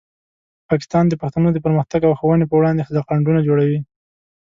پاکستان د پښتنو د پرمختګ او ښوونې په وړاندې خنډونه جوړوي.